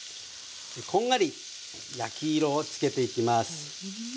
こんがり焼き色をつけていきます。